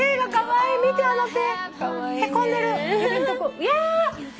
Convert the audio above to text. いや！